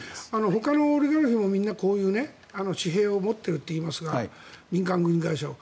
ほかのオリガルヒもこういう私兵を持っているといいますが民間軍事会社を。